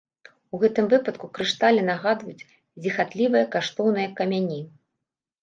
У гэтым выпадку крышталі нагадваюць зіхатлівыя каштоўныя камяні.